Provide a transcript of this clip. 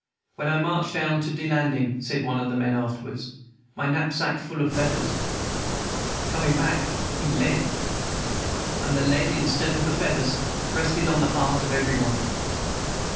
'When I march down to de landin',' said one of the men afterwards, 'my knapsack full of feathers. Comin' back, he lead!' And the lead, instead of the feathers, rested on the heart of every one.